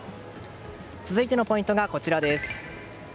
続いてのポイントはこちら。